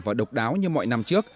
và độc đáo như mọi năm trước